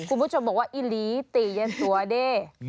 คุณผู้ชมบอกว่าอิหลีตียันตัวเด้